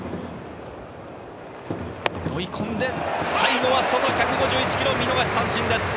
追い込んで、最後は外、１５１キロ、見逃し三振です。